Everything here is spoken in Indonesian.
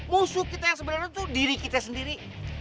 musuh kita yang sebenarnya itu diri kita sendiri